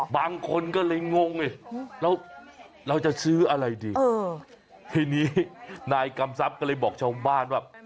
บางคนก็เลยงงแล้วเราจะซื้ออะไรดีทีนี้นายกำทรัพย์ก็เลยบอกชาวบ้านว่า